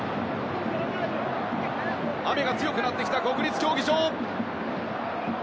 雨が強くなってきた国立競技場。